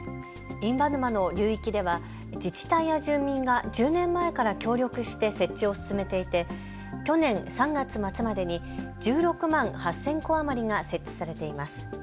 印旛沼の流域では自治体や住民が１０年前から協力して設置を進めていて去年３月末までに１６万８０００個余りが設置されています。